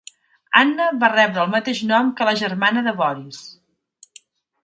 Anna va rebre el mateix nom que la germana de Boris.